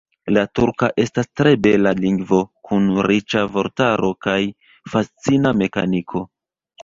La turka estas tre bela lingvo kun riĉa vortaro kaj fascina mekaniko.